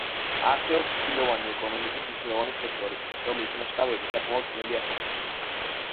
არსებობს ჩრდილოვანი ეკონომიკის მნიშვნელოვანი სექტორი, რომლის მასშტაბები საკმაოდ ძნელი აღმოსაჩენია.